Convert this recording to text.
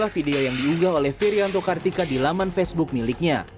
video yang diunggah oleh ferryanto kartika di laman facebook miliknya